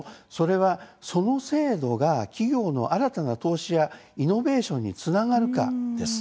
その制度が企業の新たな投資やイノベーションにつながるかです。